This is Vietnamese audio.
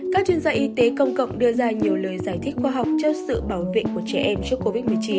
các chuyên gia y tế công cộng đưa ra nhiều lời giải thích khoa học cho sự bảo vệ của trẻ em trước covid một mươi chín